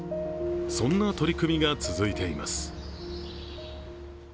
そんな取り組みが続いています。